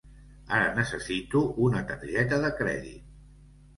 Ara necessito una targeta de crèdit.